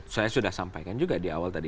saya sudah sampaikan juga di awal tadi